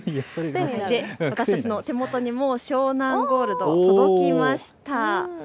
私たちの手元に湘南ゴールド届きました。